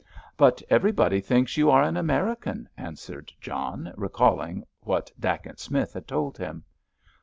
"But everybody thinks you are an American," observed John, recalling what Dacent Smith had told him.